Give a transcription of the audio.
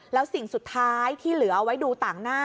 แล้วสิ่งสุดท้ายที่เหลือเอาไว้ดูต่างหน้า